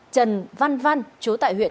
trần văn văn chú tại huyện